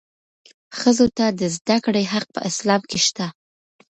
ښځو ته د زدهکړې حق په اسلام کې شته.